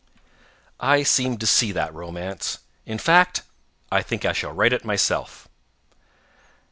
I seem to see that romance. In fact, I think I shall write it myself.